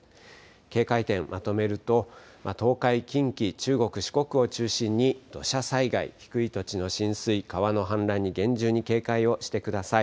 警戒点まとめると東海、近畿中国、四国を中心に土砂災害低い土地の浸水、川の氾濫に厳重に警戒をしてください。